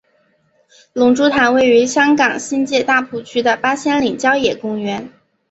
龙珠潭位于香港新界大埔区的八仙岭郊野公园。